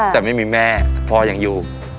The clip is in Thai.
แต่ไม่มีแม่พ่อยังอยู่